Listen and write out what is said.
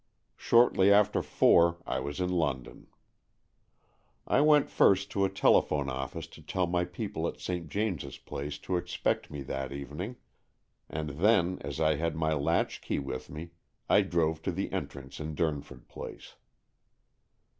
Shortly after four I was in London. I went first to a telephone office to tell my people at St. James's Place to expect me that evening, and then, as I had my latch key with me, I drove to the entrance in Durnford Place.